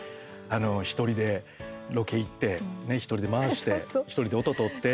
あの、１人でロケ行って１人で回して、１人で音とって。